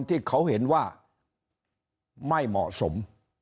ที่เขาเห็นว่าไม่เหมาะสม